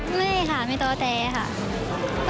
ไม่ค่ะไม่ตอแตค่ะ